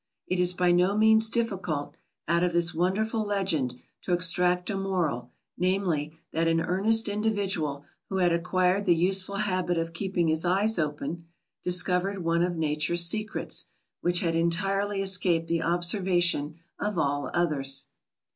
It is by no means difficult, out of this wonderful legend, to extract a moral, namely, that an earnest individual, who had acquired the useful habit of keeping his eyes open, discovered one of Nature's secrets, which had entirely escaped the observation of all others.